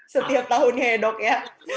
setiap tahunnya ya dok ya